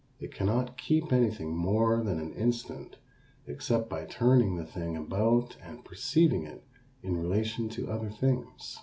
It cannot keep anything more than an instant except by turning the thing about and perceiving it in relation to other things.